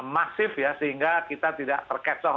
masif ya sehingga kita tidak terkecoh